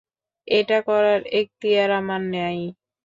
এটা করার এক্তিয়ার আমার নেই।